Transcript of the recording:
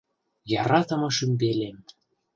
Яратымы шӱмбелем!..